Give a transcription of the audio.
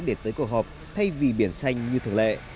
để tới cuộc họp thay vì biển xanh như thường lệ